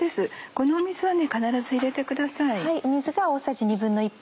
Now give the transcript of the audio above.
この水は必ず入れてください。